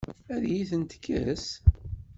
Ad iyi-tent-tekkes?